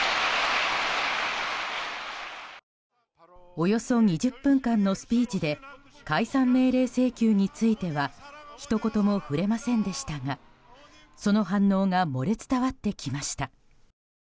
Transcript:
およそ２０分間のスピーチで解散命令請求についてはひと言も触れませんでしたがその反応が漏れ伝わってきました。